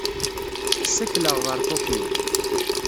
Ssakleɣ ɣer Tokyo.